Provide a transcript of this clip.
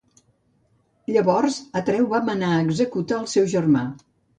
Llavors, Atreu va manar executar el seu germà.